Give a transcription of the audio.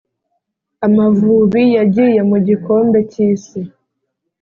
amavubi yagiye mu igikombe cy’isi